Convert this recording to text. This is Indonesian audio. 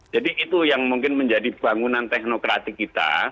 itu yang mungkin menjadi bangunan teknokratik kita